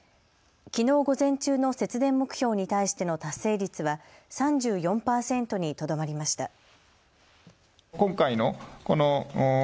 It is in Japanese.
きのう午前中の節電目標に対しての達成率は３４％にとどまりました。